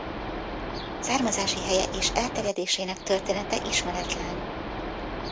Származási helye és elterjedésének története ismeretlen.